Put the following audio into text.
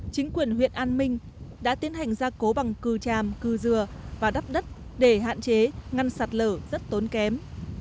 chính quyền huyện an minh đã tiến hành gia cố bằng cừu chàm cừu dừa và đắp đất để hạn chế ngăn sạt lở rất tốn kém